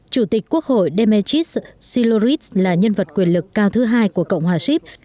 chủ tịch quốc hội demetric silurit là nhân vật quyền lực cao thứ hai của cộng hòa xip